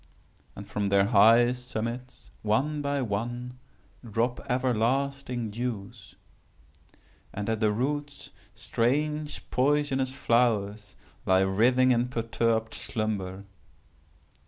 And from their high summits, one by one, drop everlasting dews. And at the roots strange poisonous flowers lie writhing in perturbed slumber.